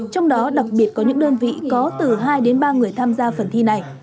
trong đó đặc biệt có những đơn vị có từ hai đến ba người tham gia phần thi này